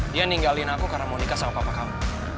dia ninggalin aku karena mau nikah sama papa kamu